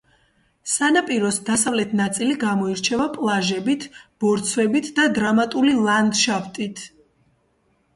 სანაპიროს დასავლეთ ნაწილი გამოირჩევა პლაჟებით, ბორცვებით და დრამატული ლანდშაფტით.